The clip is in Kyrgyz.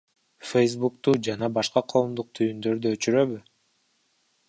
Фэйсбукту жана башка коомдук түйүндөрдү өчүрөбү?